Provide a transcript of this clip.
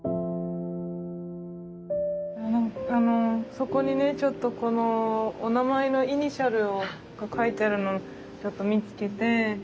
そこにねちょっとこのお名前のイニシャルが書いてあるのをちょっと見つけて。